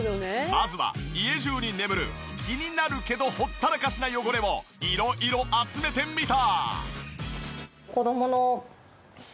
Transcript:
まずは家中に眠る気になるけどほったらかしな汚れを色々集めてみた！